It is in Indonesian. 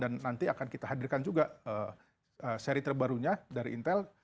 dan nanti akan kita hadirkan juga seri terbarunya dari intel